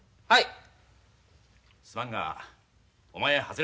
はい。